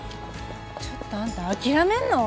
ちょっとあんた諦めんの？